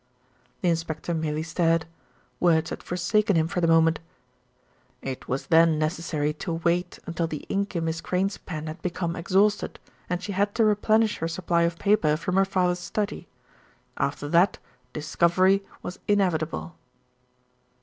The inspector merely stared. Words had forsaken him for the moment. "It was then necessary to wait until the ink in Miss Crayne's pen had become exhausted, and she had to replenish her supply of paper from her father's study. After that discovery was inevitable."